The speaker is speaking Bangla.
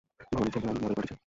ভবানী, ছেলেরা মদের পার্টি চায়।